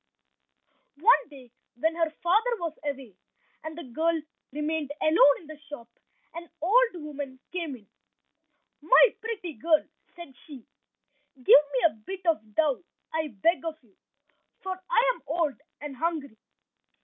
One day when her father was away, and the girl remained alone in the shop, an old woman came in— "My pretty girl," said she, "give me a bit of dough I beg of you, for I am old and hungry."